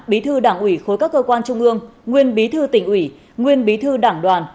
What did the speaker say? bí thư đảng ủy khối các cơ quan trung ương nguyên bí thư tỉnh ủy nguyên bí thư đảng đoàn